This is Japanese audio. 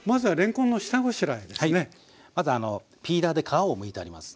まずピーラーで皮をむいてあります。